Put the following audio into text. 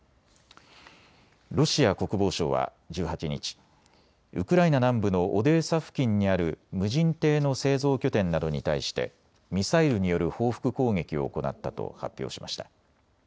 ロシア国防省は１８日、ウクライナ南部のオデーサ付近にある無人艇の製造拠点などに対してミサイルによる報復攻撃を行ったと発表しました。